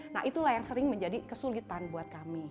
nah itulah yang sering menjadi kesulitan buat kami